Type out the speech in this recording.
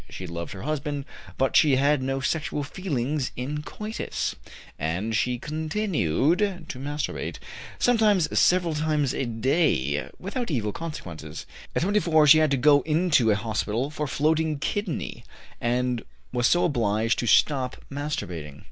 She loved her husband, but she had no sexual feelings in coitus, and she continued to masturbate, sometimes several times a day, without evil consequences. At 24 she had to go into a hospital for floating kidney, and was so obliged to stop masturbating.